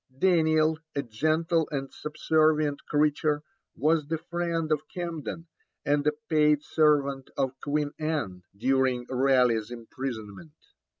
Daniel, a gentle and subservient creature, was the friend of Camden, and a paid servant of Queen Anne, during Raleigh's imprisonment.